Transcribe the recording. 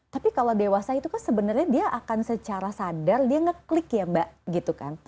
tapi kalau dewasa itu kan sebenarnya dia akan secara sadar dia ngeklik ya mbak gitu kan